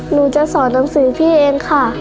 หนูจะสอนหนังสือพี่เองค่ะ